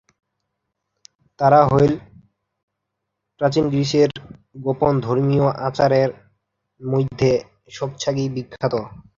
তারা হ'ল "প্রাচীন গ্রিসের গোপন ধর্মীয় আচারের মধ্যে সবচেয়ে বিখ্যাত"।